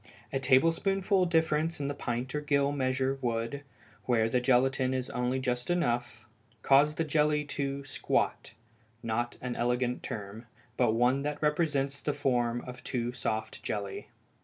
A tablespoonful difference in the pint or gill measure would, where the gelatine is only just enough, cause the jelly to "squat" not an elegant term, but one that represents the form of a too soft jelly.